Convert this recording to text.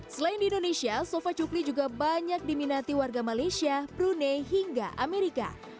selain di indonesia sofa cukli juga banyak diminati warga malaysia brunei hingga amerika